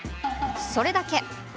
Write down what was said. それだけ。